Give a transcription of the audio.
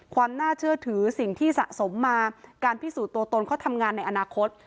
ความน่าเชื่อถือสิ่งที่สะสมมาการพิสูจน์ตัวตนเขาทำงานในอนาคต